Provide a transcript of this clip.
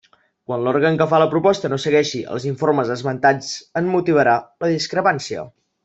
Quan l'òrgan que fa la proposta no segueixi els informes esmentats en motivarà la discrepància.